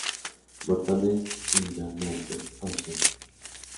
Botones invernantes ausentes.